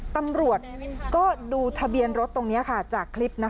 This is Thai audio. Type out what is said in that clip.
ตำรวจก็ดูทะเบียนรถตรงนี้จากคลิป